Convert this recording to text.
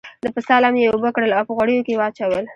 د پسه لم یې اوبه کړل او په غوړیو کې یې واچول.